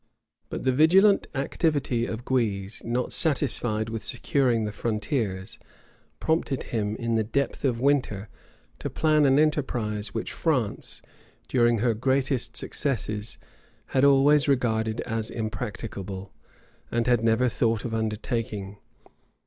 But the vigilant activity of Guise, not satisfied with securing the frontiers, prompted him, in the depth of winter, to plan an enterprise which France, during her greatest successes, had always regarded as impracticable, and had never thought of undertaking.